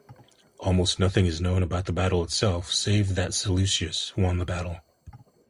Almost nothing is known about the battle itself save that Seleucus won the battle.